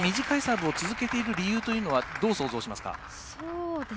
短いサーブを続けている理由はどう想像しますか？